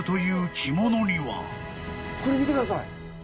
これ見てください。